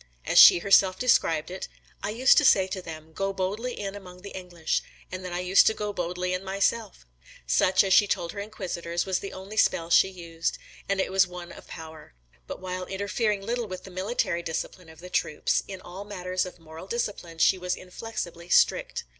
As she herself described it "I used to say to them, 'Go boldly in among the English,' and then I used to go boldly in myself." [Ibid.] Such, as she told her inquisitors, was the only spell she used; and it was one of power. But while interfering little with the military discipline of the troops, in all matters of moral discipline she was inflexibly strict.